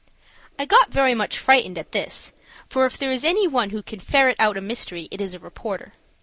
I got very much frightened at this, for if there is any one who can ferret out a mystery it is a reporter.